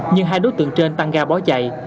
nhưng hai đối tượng trên tăng ga bó chạy